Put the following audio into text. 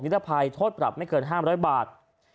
รภัยโทษปรับไม่เกิน๕๐๐บาท